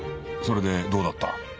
それでどうだった？